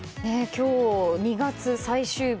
今日、２月最終日。